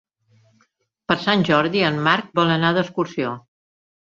Per Sant Jordi en Marc vol anar d'excursió.